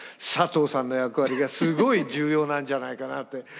佐藤さんの役割がすごい重要なんじゃないかなって。